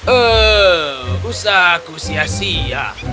oh usah aku sia sia